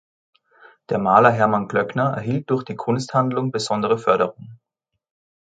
Der Maler Hermann Glöckner erhielt durch die Kunsthandlung besondere Förderung.